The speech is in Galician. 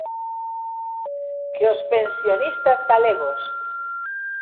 ¡Que os pensionistas galegos!